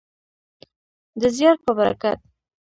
د زیار په برکت.